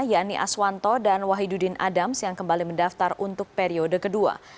yanni aswanto dan wahidudin adams yang kembali mendaftar untuk periode kedua